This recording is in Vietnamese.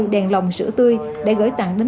đèn lòng sữa tươi để gửi tặng đến